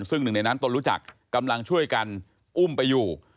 ซึ่งหนึ่งในนั้นตนรู้จักกำลังช่วยกันอุ้มไปอยู่